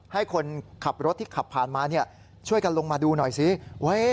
ให้คนขับรถที่ขับผ่านมาช่วยกันลงมาดูหน่อยซิ